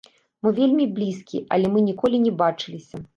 Мы вельмі блізкія, але мы ніколі не бачыліся.